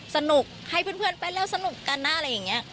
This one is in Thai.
สนุกให้เพื่อนไปแล้วสนุกกันนะอะไรอย่างนี้